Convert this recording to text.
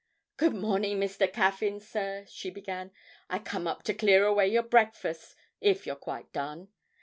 'Good morning, Mr. Caffyn, sir,' she began; 'I come up to clear away your breakfast, if you're quite done.